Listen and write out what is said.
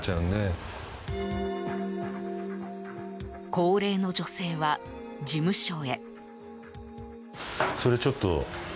高齢の女性は事務所へ。